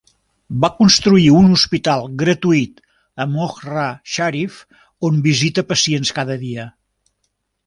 Va construir un hospital gratuït a Mohra Sharif, on visita pacients cada dia.